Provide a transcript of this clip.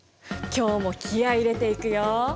今日も気合い入れていくよ。